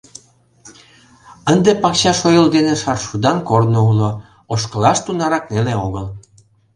Ынде пакча шойыл дене шаршудан корно уло, ошкылаш тунарак неле огыл.